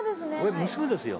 娘ですよ